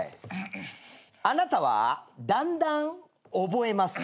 あなたはだんだん覚えます。